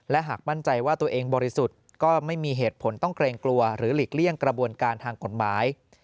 และหากมั่นใจว่าตัวเองบริสุทธิ์ก็ไม่มีเหตุผลต้องเกรงกลัวหรือหลีกเลี่ยงกระบวนการทางกฎหมาย